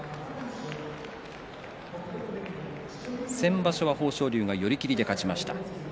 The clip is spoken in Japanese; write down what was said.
先場所は豊昇龍が寄り切りで勝ちました。